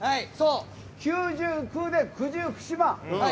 ９９で九十九島。